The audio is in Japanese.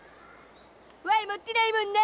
わい持ってないもんな！